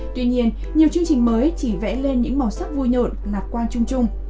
tuy nhiên nhiều chương trình mới chỉ vẽ lên những màu sắc vui nhộn lạc quan chung chung